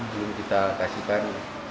belum kita kasihkan